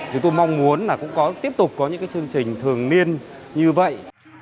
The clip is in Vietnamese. chúng tôi mong muốn là cũng có tiếp tục có những chương trình thường niên như vậy